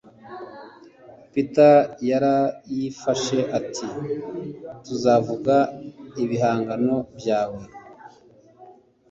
Peter yarayifashe ati: "Tuzavuga ibihangano byawe."